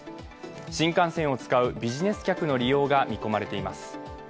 新幹線を使うビジネス客の利用が見込まれています。